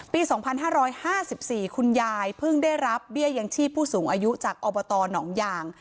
ปี๒๕๕๔คุณยายเพิ่งได้รับเบี้ยยังชีพผู้สูงอายุจากอบตหนองยาง